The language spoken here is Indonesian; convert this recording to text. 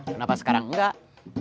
kenapa sekarang enggak